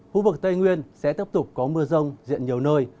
khu vực tây nguyên sẽ tiếp tục có mưa rông diện nhiều nơi